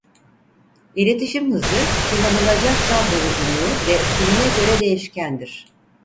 İletişim hızı kullanılacak kablo uzunluğu ve türüne göre değişkendir.